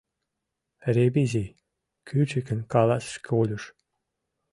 — Ревизий! — кӱчыкын каласыш Колюш.